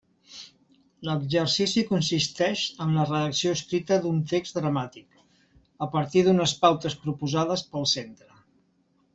L'exercici consisteix en la redacció escrita d'un text dramàtic, a partir d'unes pautes proposades pel centre.